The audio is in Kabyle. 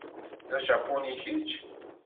D ajapuni kečč?